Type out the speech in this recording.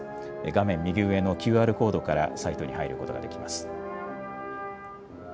画面右上のＱＲコードからサイトに入ることができます。